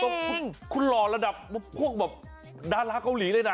แล้วคุณหล่อระดับพวกแบบดาราเกาหลีเลยนะ